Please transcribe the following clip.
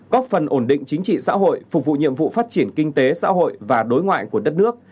góp phần ổn định chính trị xã hội phục vụ nhiệm vụ phát triển kinh tế xã hội và đối ngoại của đất nước